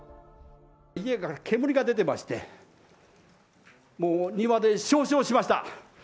家から煙が出てまして、もう庭で焼死をしました。